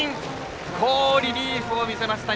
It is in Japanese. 好リリーフを見せました